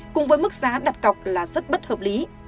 cùng với mức giá đặt cọc là rất bất hợp lý